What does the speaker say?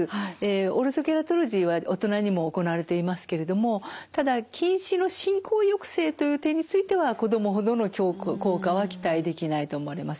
オルソケラトロジーは大人にも行われていますけれどもただ近視の進行抑制という点については子どもほどの効果は期待できないと思われます。